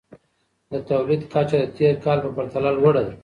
د توليد کچه د تېر کال په پرتله لوړه ده.